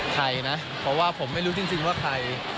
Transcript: ใครนะเพราะว่าผมไม่รู้จริงว่าใคร